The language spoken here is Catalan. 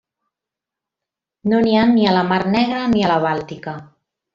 No n'hi ha ni a la Mar Negra ni a la Bàltica.